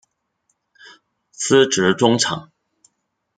司职中场。